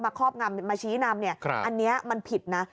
มาครอบงามมาชี้นำอันนี้มันผิดนะ